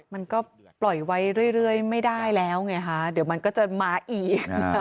มันก็ปล่อยไว้เรื่อยไม่ได้แล้วไงคะเดี๋ยวมันก็จะมาอีก